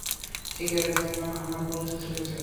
ঠিক আছে, আমরা প্রস্তুত থাকতে চাই।